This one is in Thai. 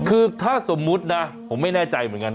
คือถ้าสมมุตินะผมไม่แน่ใจเหมือนกัน